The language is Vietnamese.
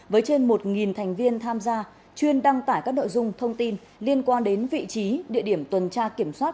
với trên một thành viên tham gia chuyên đăng tải các nội dung thông tin liên quan đến vị trí địa điểm tuần tra kiểm soát